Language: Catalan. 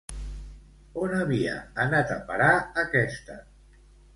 On havia anat a parar aquesta?